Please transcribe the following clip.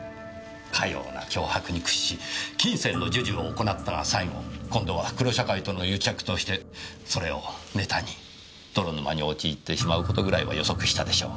かような脅迫に屈し金銭の授受を行ったが最後今度は黒社会との癒着としてそれをネタに泥沼に陥ってしまう事ぐらいは予測したでしょう。